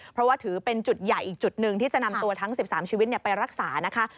เพราะว่าถือเป็นจุดใหญ่อีกจุดหนึ่งที่จะนำตัวทั้ง๑๓ชีวิตไปรักษานะคะ